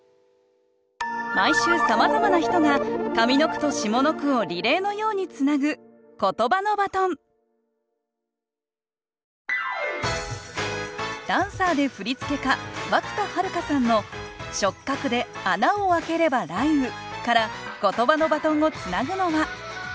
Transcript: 毎週さまざまな人が上の句と下の句をリレーのようにつなぐダンサーで振付家涌田悠さんの「触角で穴をあければ雷雨」からことばのバトンをつなぐのは。